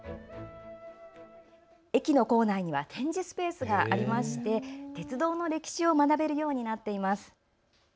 駅の構内には展示スペースがあり鉄道の歴史を学べるようになっています。